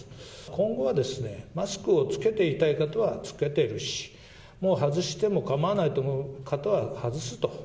今後はマスクを着けていたい方は着けているし、もう外しても構わないと思う方は外すと。